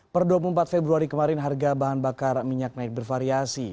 per dua puluh empat februari kemarin harga bahan bakar minyak naik bervariasi